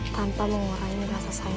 tanpa mengurangi rasa sayang